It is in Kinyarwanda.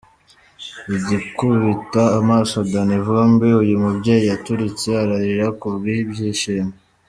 Agikubita amaso Danny Vumbi, uyu mubyeyi yaturitse ararira ku bw'ibyishimo.